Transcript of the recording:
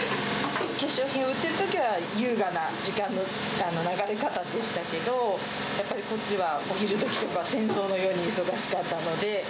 化粧品を売ってるときは、優雅な時間の流れ方でしたけど、やっぱりこっちはお昼どきとか、戦争のように忙しかったので。